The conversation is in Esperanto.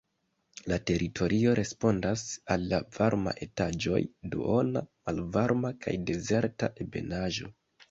La teritorio respondas al la varma etaĝoj, duona, malvarma kaj dezerta ebenaĵo.